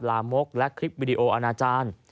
ลามกและคลิปวิดีโออาณาจารย์